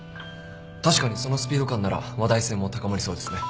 確かにそのスピード感なら話題性も高まりそうですね。